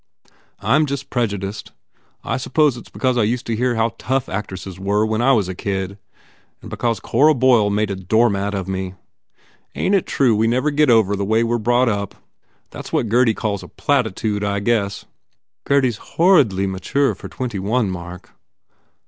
"I m just prejudiced. I suppose it s because I used to hear how tough actresses were when I was a kid. And because Cora Boyle made a doormat of me. Ain t it true we never get over the way we re brought up? That s what Gurdy calls a platitude, I guess." "Gurdy s horridly mature for twenty one, Mark."